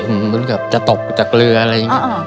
เหมือนว่าจะตกจากเรืออะไรอีก